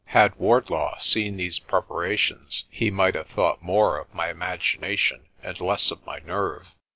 Had Wardlaw seen these prep arations he might have thought more of my imagination and less of my nerve.